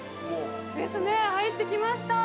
ですね入ってきました。